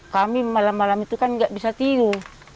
kami malam malam itu kan nggak bisa tiu